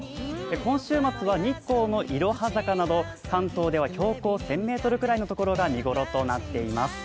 今週末は日光のいろは坂など関東では標高１０００ｍぐらいのところが見頃となっています。